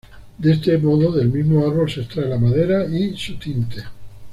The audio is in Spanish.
De este modo del mismo árbol se extrae la madera y su tinte.